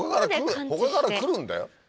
他から来るんだよ。